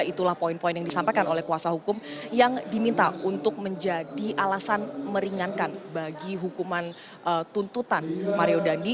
itulah poin poin yang disampaikan oleh kuasa hukum yang diminta untuk menjadi alasan meringankan bagi hukuman tuntutan mario dandi